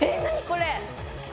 これ。